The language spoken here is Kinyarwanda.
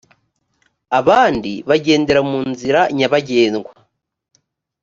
abandi bagendera mu nzira nyabagendwa